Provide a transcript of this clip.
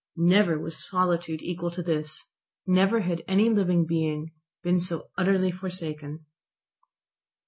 Never was solitude equal to this, never had any living being been so utterly forsaken.